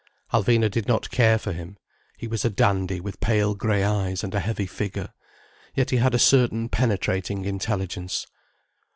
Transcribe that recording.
Alvina did not care for him. He was a dandy with pale grey eyes and a heavy figure. Yet he had a certain penetrating intelligence.